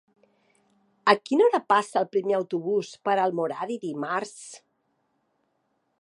A quina hora passa el primer autobús per Almoradí dimarts?